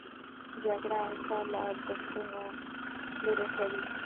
جګړه انسان له ارزښتونو لیرې کوي